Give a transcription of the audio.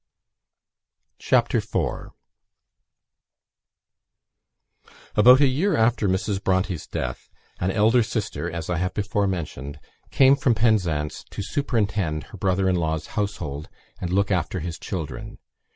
CHAPTER IV About a year after Mrs. Bronte's death, an elder sister, as I have before mentioned, came from Penzance to superintend her brother in law's household, and look after his children.